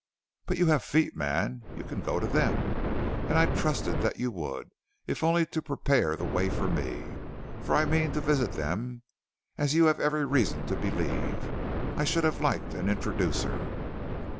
"But you have feet, man, and you can go to them, and I trusted that you would, if only to prepare the way for me; for I mean to visit them, as you have every reason to believe, and I should have liked an introducer."